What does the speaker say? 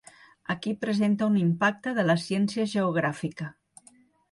Aquí presenta un impacte de la ciència geogràfica.